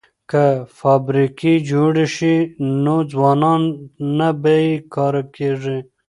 که فابریکې جوړې شي نو ځوانان نه بې کاره کیږي.